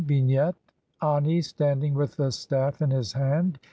] Vignette : Ani standing, with a staff in his hand.